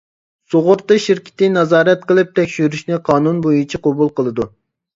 سۇغۇرتا شىركىتى نازارەت قىلىپ تەكشۈرۈشنى قانۇن بويىچە قوبۇل قىلىدۇ.